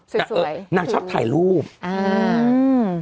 แต่เออนางชอบถ่ายรูปอ่าอืม